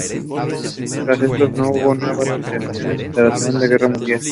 Tras esto, no hubo nuevas interacciones hasta la Segunda Guerra Mundial.